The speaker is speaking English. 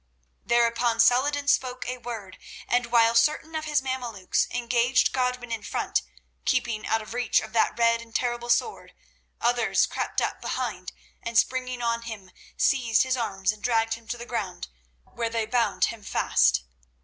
Thereupon Saladin spoke a word, and while certain of his Mameluks engaged Godwin in front, keeping out of reach of that red and terrible sword, others crept up behind, and springing on him, seized his arms and dragged him to the ground, where they bound him fast.